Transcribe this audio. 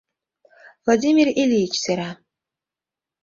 — Владимир Ильич сера...